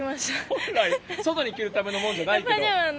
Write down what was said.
本来、外に着るためのものじゃないけど？